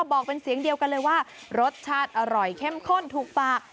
บอกเป็นเสียงเดียวกันเลยว่ารสชาติอร่อยเข้มข้นถูกปาก